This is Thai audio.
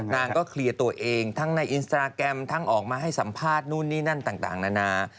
นางก็เคลียร์ตัวเองทั้งในอินสตราแกรมทั้งออกมาให้สัมภาษณ์นู่นนี่นั่นต่างนานา